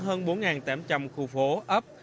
hơn bốn tám trăm linh khu phố ấp